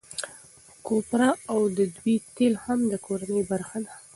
کوپره او دوی تېل هم د کورنۍ برخه ده.